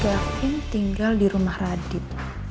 gak mungkin tinggal di rumah radit